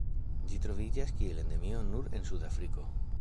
Ĝi troviĝas kiel endemio nur en Sudafriko.